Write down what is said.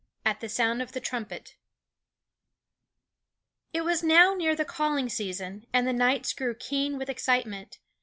AT THE SOUND OF THE TRUMPET It was now near the calling season, and the nights grew keen with excitement.